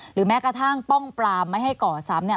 หรือแม้กระทั่งป้องปรามไม่ให้ก่อซ้ำ